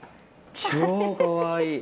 超かわいい。